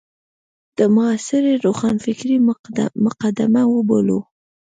د معاصرې روښانفکرۍ مقدمه وبولو.